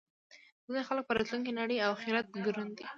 ځینې خلک په راتلونکې نړۍ او اخرت ګروهن دي